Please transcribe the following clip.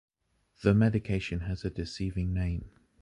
The medication has a deceiving name.